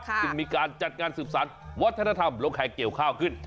จะมีการจัดงานสืบสรรควัฒนธรรมโลกไข่เกี่ยวข้าวขึ้น